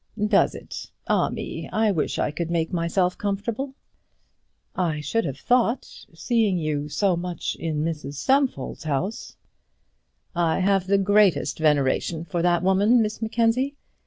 "Does it? Ah! me; I wish I could make myself comfortable." "I should have thought, seeing you so much in Mrs Stumfold's house " "I have the greatest veneration for that woman, Miss Mackenzie!